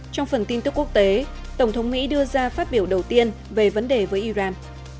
trong phần tin tức quốc tế tổng thống mỹ đưa ra phát biểu đầu tiên về vấn đề với iran